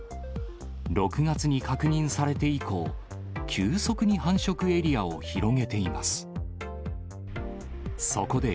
６月に確認されて以降、急速に繁殖エリアを広げています。